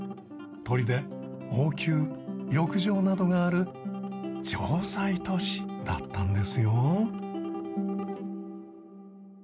砦王宮浴場などがある城塞都市だったんですよ。